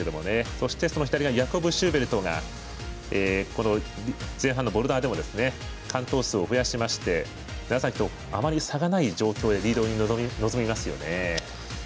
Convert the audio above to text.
そして、ヤコブ・シューベルトが前半のボルダーでも完登数を増やしましてあまり差がない状況でリードに臨みますよね。